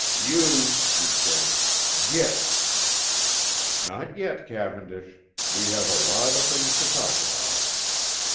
"You " he said. "Git!" "Not yet, Cavendish; we have a lot of things to talk about."